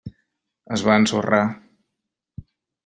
Es va ensorrar.